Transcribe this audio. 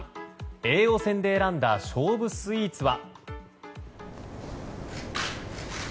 叡王戦で選んだ勝負スイーツは。